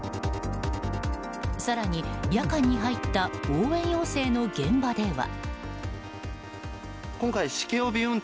更に夜間に入った応援要請の現場では。